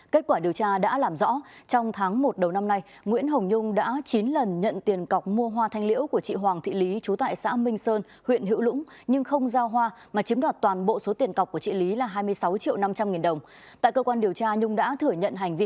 kết quả điều tra đã làm rõ trong tháng một đầu năm nay nguyễn hồng nhung đã chín lần nhận tiền cọc mua hoa thanh liễu của chị hoàng thị lý chú tại xã minh sơn huyện hữu lũng nhưng không giao hoa mà chiếm đoạt toàn bộ số tiền cọc của chị lý là hai mươi sáu triệu năm trăm linh nghìn đồng